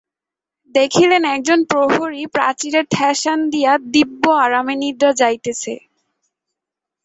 দেখিলেন, একজন প্রহরী প্রাচীরে ঠেসান দিয়া দিব্য আরামে নিদ্রা যাইতেছে।